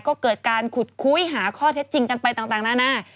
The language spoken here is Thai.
ก็เกิดการขุดคุยหาข้อเท็จจริงกันไปต่างนานา